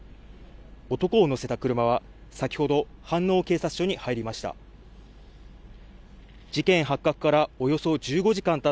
男を乗せた車は先ほど飯能警察署に入りました。